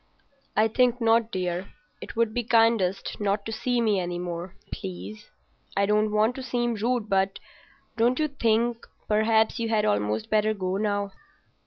"I think not, dear. It would be kindest not to see me any more, please. I don't want to seem rude, but—don't you think—perhaps you had almost better go now."